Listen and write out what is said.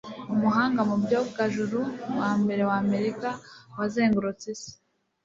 umuhanga mu byogajuru wa mbere w'amerika wazengurutse isi